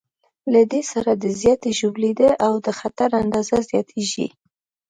له دې سره د زیاتې ژوبلېدا او د خطر اندازه زیاتېږي.